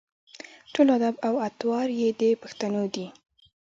ټول اداب او اطوار یې د پښتنو دي.